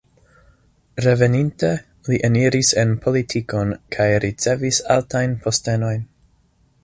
Reveninte, li eniris en politikon kaj ricevis altajn postenojn.